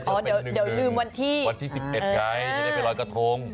อ๋อเดี๋ยวลืมวันที่วันที่๑๑ไงจะได้ไปลอยกระทง